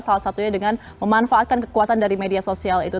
salah satunya dengan memanfaatkan kekuatan dari media sosial itu